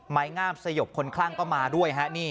ไม้งามสยบคนคลั่งก็มาด้วย